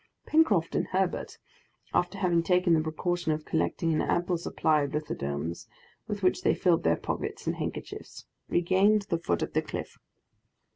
Pencroft and Herbert, after having taken the precaution of collecting an ample supply of lithodomes, with which they filled their pockets and handkerchiefs, regained the foot of the cliff.